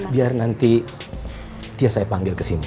biar nanti dia saya panggil kesini